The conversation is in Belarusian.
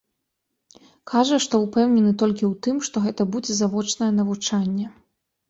Кажа, што ўпэўнены толькі ў тым, што гэта будзе завочнае навучанне.